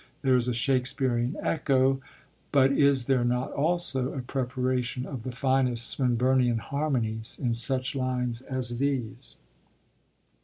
There is a Shakespearean echo, but is there not also a preparation of the finest Swinburnian harmonies, in such lines as these?